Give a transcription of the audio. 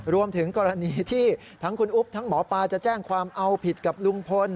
รวมถึงกรณีที่ทั้งคุณอุ๊บทั้งหมอปลาจะแจ้งความเอาผิดกับลุงพล